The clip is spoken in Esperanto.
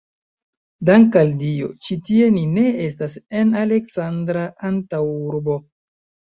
Dank' al Dio, ĉi tie ni ne estas en Aleksandra antaŭurbo!